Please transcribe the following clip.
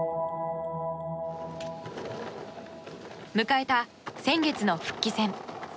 迎えた先月の復帰戦。